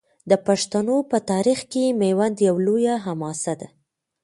د پښتنو په تاریخ کې میوند یوه لویه حماسه ده.